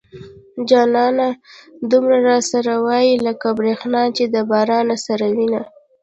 جانانه دومره را سره واي لکه بريښنا چې د بارانه سره وينه